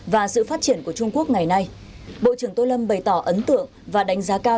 và sự phát triển của trung quốc ngày nay bộ trưởng tô lâm bày tỏ ấn tượng và đánh giá cao